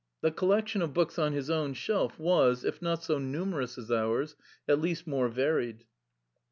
The collection of books on his own shelf was, if not so numerous as ours, at least more varied.